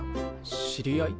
知り合い？